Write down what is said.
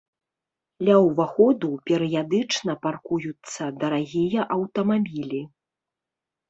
Ля ўваходу перыядычна паркуюцца дарагія аўтамабілі.